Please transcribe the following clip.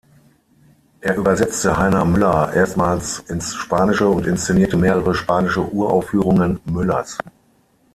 Er übersetzte Heiner Müller erstmals ins Spanische und inszenierte mehrere spanische Uraufführungen Müllers.